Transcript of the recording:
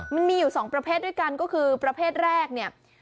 มันมีอยู่สองประเภทด้วยกันก็คือประเภทแรกเนี่ย